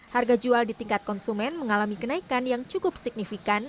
harga jual di tingkat konsumen mengalami kenaikan yang cukup signifikan